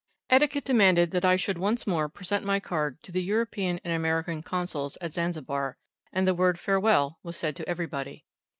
Etiquette demanded that I should once more present my card to the European and American Consuls at Zanzibar, and the word "farewell" was said to everybody.